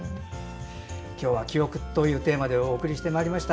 今日は記憶というテーマでお送りしてまいりました。